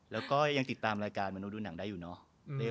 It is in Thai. แล้วก็ยังติดตามรายการมนุษดูหนังได้อยู่เนาะ